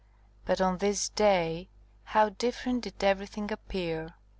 But on this day how different did everything appear!